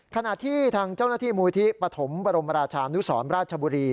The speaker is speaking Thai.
ขณะที่ทางเจ้าหน้าที่มูลที่ปฐมบรมราชานุสรราชบุรี